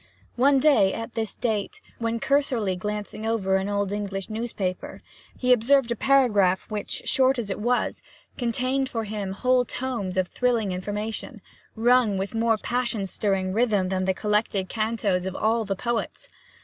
One day, at this date, when cursorily glancing over an old English newspaper, he observed a paragraph which, short as it was, contained for him whole tomes of thrilling information rung with more passion stirring rhythm than the collected cantos of all the poets.